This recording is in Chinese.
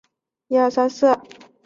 长穗桦是桦木科桦木属的植物。